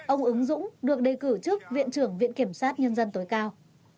ông ứng dũng được đề cử trước viện trưởng viện kiểm sát nhân dân tối cao